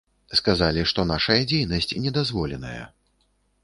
Сказалі, што нашая дзейнасць недазволеная.